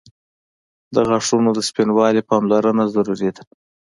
• د غاښونو د سپینوالي پاملرنه ضروري ده.